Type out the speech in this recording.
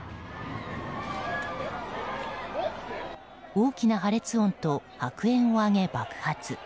大きな破裂音と白煙を上げ爆発。